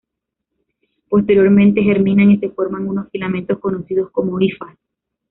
Posteriormente germinan y se forman unos filamentos conocidos como hifas.